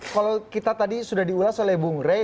kalau kita tadi sudah diulas oleh bung rey